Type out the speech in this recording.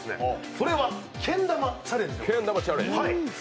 それはけん玉チャレンジです。